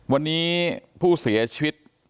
วันนี้ผู้เสียชีวิต